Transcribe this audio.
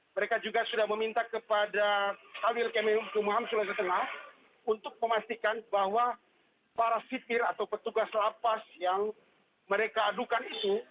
mereka juga sudah meminta kepada awil kementerian hukum dan ham selesai setengah untuk memastikan bahwa para sipir atau petugas lapas yang mereka adukan itu